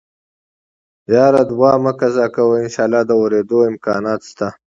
يره دوا مه قضا کوه انشاالله د اورېدو امکانات شته.